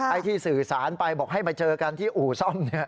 ไอ้ที่สื่อสารไปบอกให้มาเจอกันที่อู่ซ่อมเนี่ย